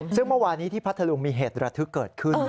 ซึ่งเมื่อวานี้ที่พัทธลุงมีเหตุระทึกเกิดขึ้น